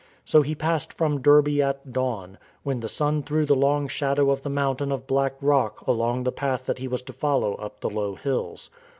So he passed from Derbe at dawn, when the sun threw the long shadow of the mountain of black rock along the path that he was to follow up the low hills.